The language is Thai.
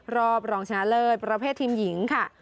รองชนะเลิศประเภททีมหญิงค่ะ